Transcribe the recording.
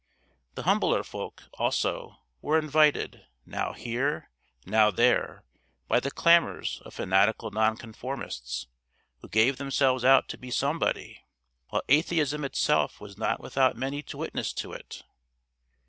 The humbler folk, also, were invited, now here, now there, by the clamours of fanatical Nonconformists, who gave themselves out to be somebody, while Atheism itself was not without many to witness to it.